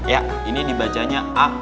ya ini dibacanya a